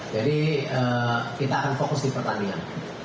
kita akan fokus di pertanian